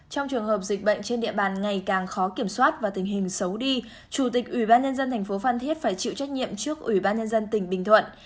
trong trường hợp dịch bệnh trên địa bàn ngày càng khó kiểm soát và tình hình xấu đi chủ tịch ủy ban nhân dân thành phố phan thiết phải chịu trách nhiệm trước ủy ban nhân dân tỉnh bình thuận